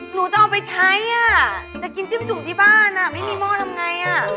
หนูจะเอาไปใช้อ่ะจะกินจิ้มจุ่มที่บ้านไม่มีหม้อทำไงอ่ะ